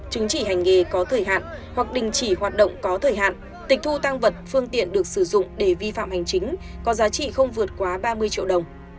chứng chỉ hành nghề có thời hạn hoặc đình chỉ hoạt động có thời hạn tịch thu tăng vật phương tiện được sử dụng để vi phạm hành chính có giá trị không vượt quá ba mươi triệu đồng